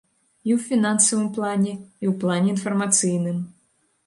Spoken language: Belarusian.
І ў фінансавым плане, і ў плане інфармацыйным.